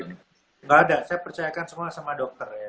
tidak ada saya percayakan semua sama dokter ya